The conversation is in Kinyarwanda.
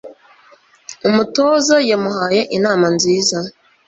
Umutoza yamuhaye inama nziza.